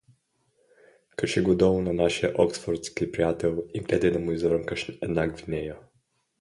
Кажи го долу на нашия оксфордски приятел и гледай да му изврънкаш една гвинея.